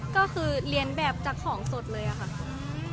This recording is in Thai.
ก็คือเรียนแบบจากของสดเลยอะค่ะ